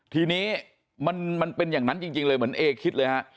ทีนี้มันเป็นอย่างนั้นจริงเลยเหมือนเอคิดเลยฮะ